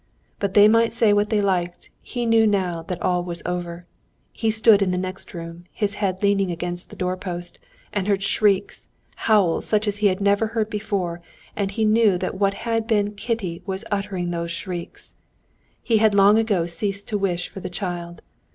But they might say what they liked, he knew now that all was over. He stood in the next room, his head leaning against the door post, and heard shrieks, howls such as he had never heard before, and he knew that what had been Kitty was uttering these shrieks. He had long ago ceased to wish for the child.